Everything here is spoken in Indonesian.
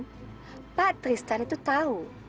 pak tristan itu tahu